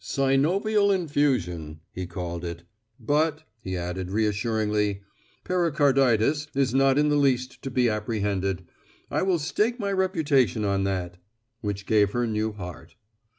"Synovial infusion," he called it, "but," he added reassuringly, "pericarditis is not in the least to be apprehended. I will stake my reputation on that." Which gave her new heart.